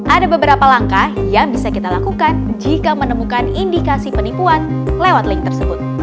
ada beberapa langkah yang bisa kita lakukan jika menemukan indikasi penipuan lewat link tersebut